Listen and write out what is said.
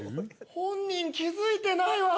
本人気づいてないわ。